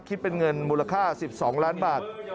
คิดเป็นเงินมูลค่า๑๒ล้านบาท